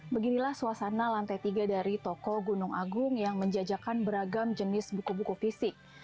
beginilah suasana lantai tiga dari toko gunung agung yang menjajakan beragam jenis buku buku fisik